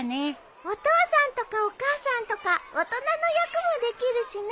お父さんとかお母さんとか大人の役もできるしね。